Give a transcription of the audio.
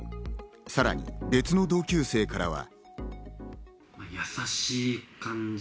さらに別の同級生からは。